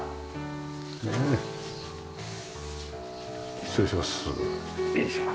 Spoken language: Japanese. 失礼します。